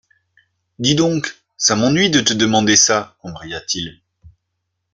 Dis donc, ça m’ennuie de te demander ça, embraya-t-il